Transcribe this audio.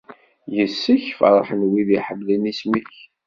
Yis-k i ferḥen wid iḥemmlen isem-ik.